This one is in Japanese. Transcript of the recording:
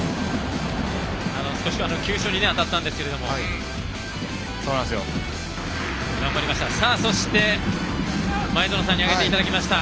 急所に当たったんですけど頑張りました。